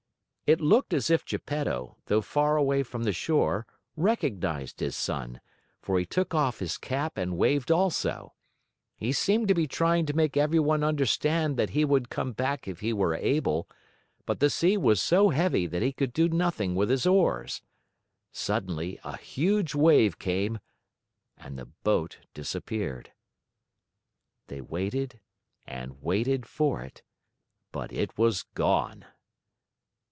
It looked as if Geppetto, though far away from the shore, recognized his son, for he took off his cap and waved also. He seemed to be trying to make everyone understand that he would come back if he were able, but the sea was so heavy that he could do nothing with his oars. Suddenly a huge wave came and the boat disappeared. They waited and waited for it, but it was gone.